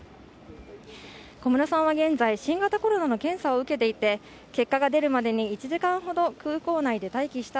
小室さんは現在、新型コロナの検査を受けていて結果が出るまでに１時間ほど空港内で待機した